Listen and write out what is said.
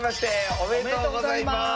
おめでとうございます！